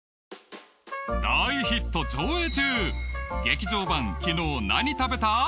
大ヒット上映中劇場版『きのう何食べた？』。